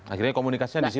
akhirnya komunikasinya di situ